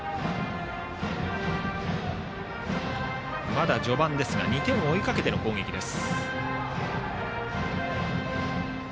まだ序盤ですが２点を追いかけての攻撃です。